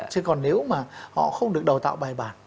chứ còn nếu mà họ không được đào tạo bài bản